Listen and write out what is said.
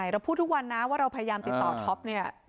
เราพูดทุกวันนะว่าเราพยายามติดต่อท็อปเนี่ย